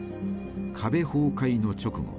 壁崩壊の直後